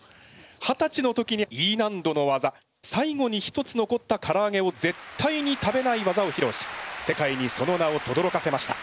はたちの時にＥ難度の技「最後に１つ残ったからあげをぜったいに食べない技」をひろうし世界にその名をとどろかせました。